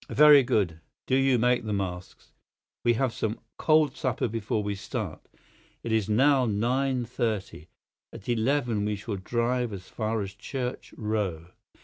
Very good; do you make the masks. We shall have some cold supper before we start. It is now nine thirty. At eleven we shall drive as far as Church Row.